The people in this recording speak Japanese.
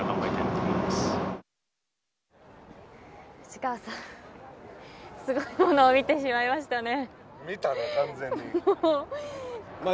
藤川さん、すごいものを見てしまいましたね。